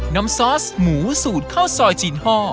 ซอสหมูสูตรข้าวซอยจีนฮ่อ